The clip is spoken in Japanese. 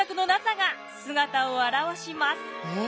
えっ？